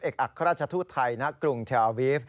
เอกอัคราชทูตไทยในกรุงเทอร์อาวีฟ